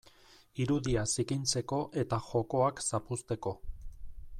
Irudia zikintzeko eta jokoak zapuzteko.